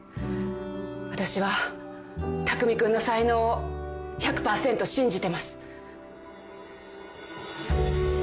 私は匠君の才能を１００％信じてます。